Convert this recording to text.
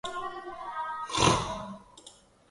Espero que te mejores pronto.